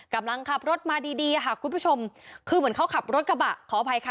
กำลังขับรถมาดีดีอะค่ะคุณผู้ชมคือเหมือนเขาขับรถกระบะขออภัยค่ะ